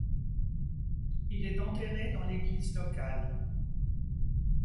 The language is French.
Il est enterré dans l'église locale.